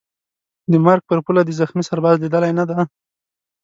د مرګ پر پوله دي زخمي سرباز لیدلی نه دی